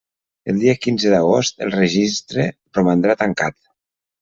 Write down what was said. El dia quinze d'agost el registre romandrà tancat.